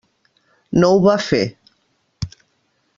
No ho va fer.